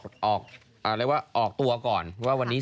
ศิลปินทฤษฎี